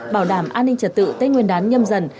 bảo đảm an ninh trật tự tết nguyên đán nhâm dần